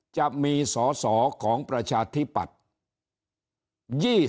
จะมีสอสอของประชาธิปัตย์